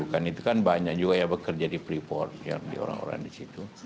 kan itu kan banyak juga yang bekerja di pripor orang orang di situ